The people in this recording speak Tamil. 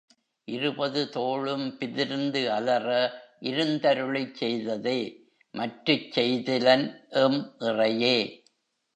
இருபது தோளும் பிதிர்ந்து அலற இருந்தருளிச் செய்ததே, மற்றுச் செய்திலன் எம் இறையே!